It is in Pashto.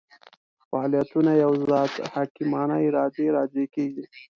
فاعلیتونه یوه ذات حکیمانه ارادې راجع کېږي.